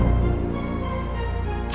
aku gak mau